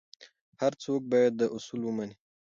هر څوک باید دا اصول ومني.